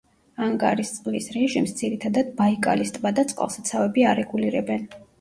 ანგარის წყლის რეჟიმს ძირითადად ბაიკალის ტბა და წყალსაცავები არეგულირებენ.